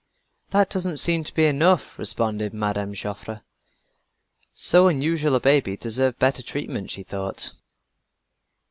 "That doesn't seem to be enough," responded Mme. Joffre. So unusual a baby deserved better treatment, she thought.